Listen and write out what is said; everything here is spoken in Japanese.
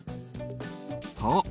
そう。